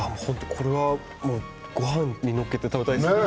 これは、ごはんに載せて食べたいですね。